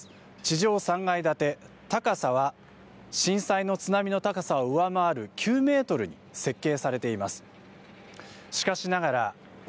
地上３階建て、高さは震災の津波の高さを上回る９メートルに設計されています。